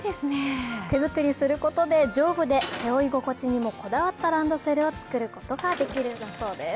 手作りすることで丈夫で背負い心地にもこだわったランドセルを作ることができるんだそうです。